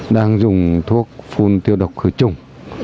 đang dùng thuốc phun tiêu độc khởi trùng